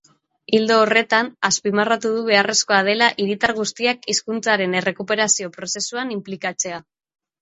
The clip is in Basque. Ildo horretan, azpimarratu du beharrezkoa dela hiritar guztiak hizkuntzaren errekuperazio prozesuan inplikatzea.